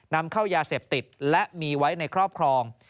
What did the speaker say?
นำเข้ายาเสพติดและมีไว้ในครอบครอง